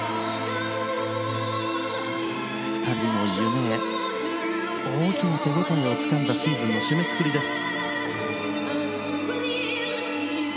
２人の夢へ大きな手応えをつかんだシーズンの締めくくりです。